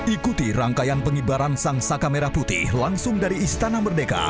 ikuti rangkaian pengibaran sang saka merah putih langsung dari istana merdeka